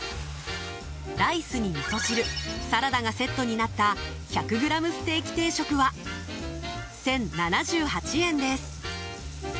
ライスにみそ汁サラダがセットになった１００グラムステーキ定食は１０７８円です。